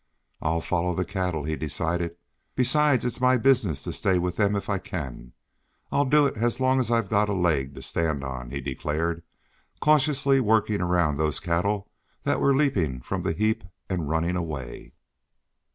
"I'll follow the cattle," he decided. "Besides, it's my business to stay with them if I can. I'll do it as long as I've got a leg to stand on," he declared, cautiously working around those of the cattle that were leaping from the heap and running away.